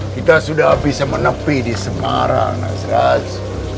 kita sudah bisa menepi di semarang nasraz